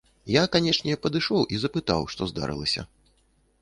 Я, канечне, падышоў і запытаў, што здарылася.